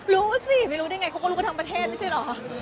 รู้สิไม่รู้ได้ไงเขาก็รู้กันทั้งประเทศไม่ใช่เหรอ